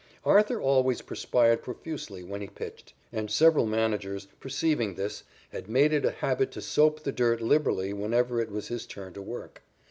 Arthur always perspired profusely when he pitched, and several managers, perceiving this, had made it a habit to soap the dirt liberally whenever it was his turn to work.